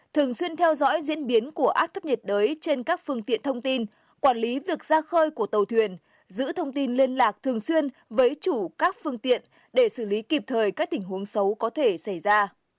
thường xuyên theo dõi diễn biến của áp thấp nhiệt đới trên các phương tiện thông tin quản lý việc ra khơi của tàu thuyền giữ thông tin liên lạc thường xuyên với chủ các phương tiện để xử lý kịp thời các tình huống xấu có thể xảy ra